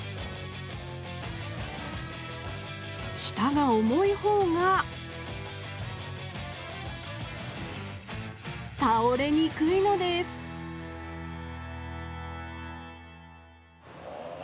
下が重い方がたおれにくいのですあ